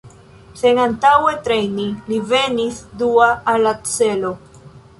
Sen antaŭe trejni li venis dua al la celo.